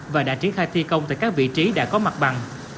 và đã triển khai thi công tại các vị trí đã có mặt bằng